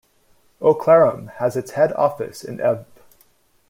"O Clarim" has its head office in Edf.